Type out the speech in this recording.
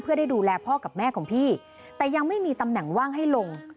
เพื่อได้ดูแลพ่อกับแม่ของพี่แต่ยังไม่มีตำแหน่งว่างให้ลง